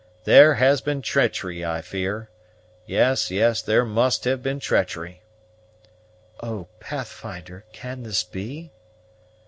There has been treachery, I fear; yes, yes, there must have been treachery." "Oh, Pathfinder! can this be?"